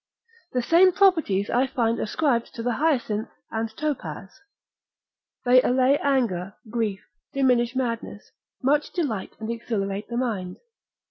The same properties I find ascribed to the hyacinth and topaz. They allay anger, grief, diminish madness, much delight and exhilarate the mind.